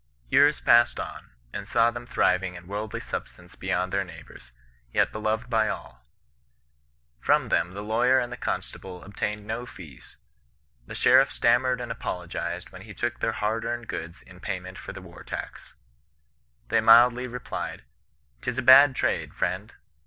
" Tears passed on, and saw them thriving in woiidly substance beyond their neighbours, yet beloved by all From them the lawyer and the constable obtained no fees. The sheriff stanmiered and apologized when he took their hard earned goods in payment for the wax tax. They mildly replied, ' 'Tis a bad trade, friend.